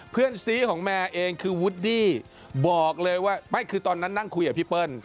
เพื่อนซีของแมร์เองคือวูดดี้บอกเลยว่าไม่คือตอนนั้นนั่งคุยกับพี่เปิ้ล